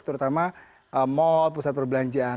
terutama mall pusat perbelanjaan